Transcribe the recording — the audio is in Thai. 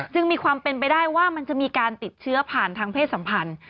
มีความเป็นไปได้ว่ามันจะมีการติดเชื้อผ่านทางเพศสัมพันธ์